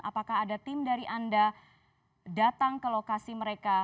apakah ada tim dari anda datang ke lokasi mereka